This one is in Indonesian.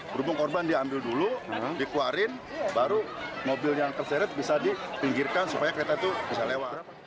berhubung korban diambil dulu dikeluarin baru mobil yang terseret bisa dipinggirkan supaya kereta itu bisa lewat